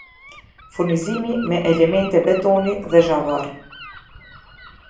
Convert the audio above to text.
Furnizim me elemente betoni dhe zhavorr